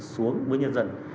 xuống với nhân dân